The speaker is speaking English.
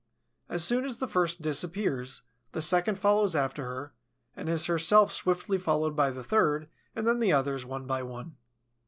As soon as the first disappears, the second follows after her, and is herself swiftly followed by the third and then the others, one by one.